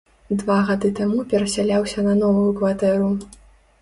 Два гады таму перасяляўся на новую кватэру.